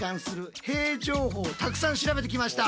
たくさん調べてきました！